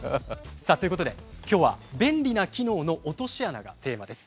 さあということで今日は「便利な機能の落とし穴」がテーマです。